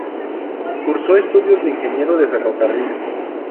Cursó estudios de ingeniero de ferrocarriles.